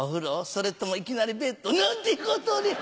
それともいきなりベッド？」なんてことをね！